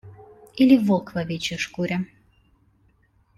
Или волк в овечьей шкуре.